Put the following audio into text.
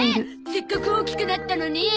せっかく大きくなったのに。